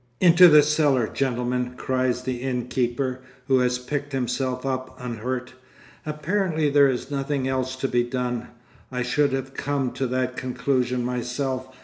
"Into the cellar, gentlemen," cries the innkeeper, who has picked himself up unhurt. Apparently there is nothing else to be done. I should have come to that conclusion myself.